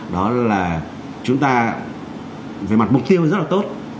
đó là chúng ta về mặt mục tiêu rất là tốt